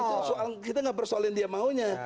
itu soal kita gak persoal yang dia maunya